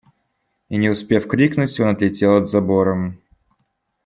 И, не успев крикнуть, он отлетел от забора.